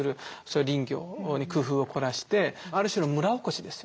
林業に工夫を凝らしてある種の村おこしですよね。